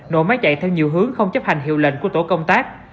nổ máy chạy theo nhiều hướng không chấp hành hiệu lệnh của tổ công tác